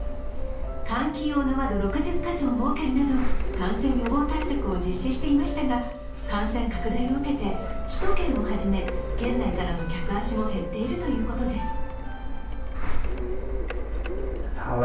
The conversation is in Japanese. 換気用の窓６０カ所を設けるなど、感染予防対策を実施していましたが、感染拡大を受けて、首都圏をはじめ県内からの客足も減っているということです。